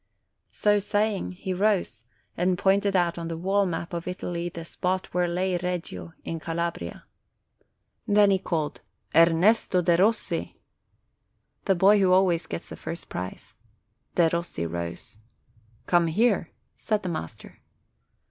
So saying, he rose and pointed out on the wall map of Italy the spot where lay Reggio, in Calabria. Then he called : "Ernesto Derossi !" the boy who always gets the first prize. Derossi rose. "Come here," said the master.